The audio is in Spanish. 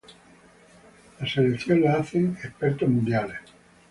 La selección es hecha por expertos mundiales.